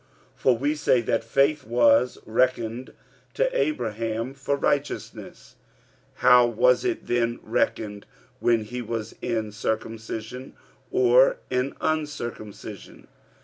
for we say that faith was reckoned to Abraham for righteousness. 45:004:010 How was it then reckoned? when he was in circumcision, or in uncircumcision?